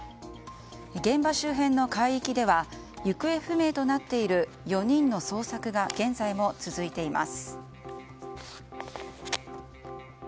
現場周辺の海域では行方不明となっている４人の捜索が現在も続いています。